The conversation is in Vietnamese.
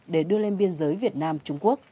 để đưa lên biên giới việt nam trung quốc